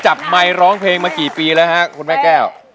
ต่ำใหม่ร้องเพลงมาสี่ปีแล้วครับคุณแม่แก้ว